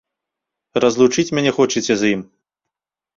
Разлучыць мяне хочаце з ім?